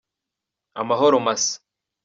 Amahoro masa